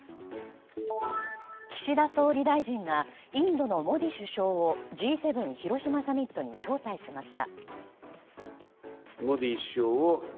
岸田総理大臣がインドのモディ首相をＧ７広島サミットに招待しました。